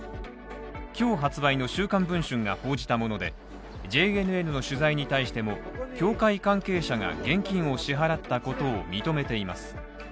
今日発売の週刊文春が報じたもので、ＪＮＮの取材に対しても、協会関係者が現金を支払ったことを認めています。